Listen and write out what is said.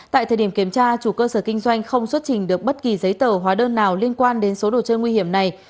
tại thời điểm kiểm tra chủ cơ sở kinh doanh không xuất trình được bất kỳ giấy tờ hóa đơn nào liên quan đến số đồ chơi nguy hiểm này